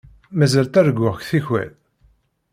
Mazal ttarguɣ-k tikkal.